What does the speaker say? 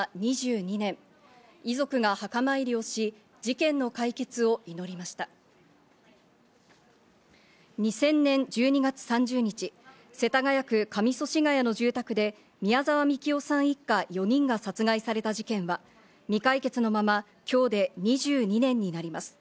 ２０００年１２月３０日、世田谷区上祖師谷の住宅で、宮沢みきおさん一家４人が殺害された事件は、未解決のまま、今日で２２年となります。